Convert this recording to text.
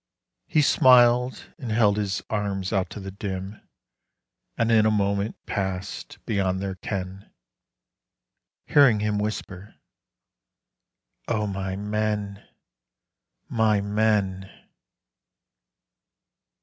He smiled and held his arms out to the dim, And in a moment passed beyond their ken, Hearing him whisper, "O my men, my men!"